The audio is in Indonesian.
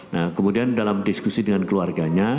nah kemudian dalam diskusi dengan keluarganya